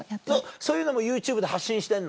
そういうのもＹｏｕＴｕｂｅで発信してんの？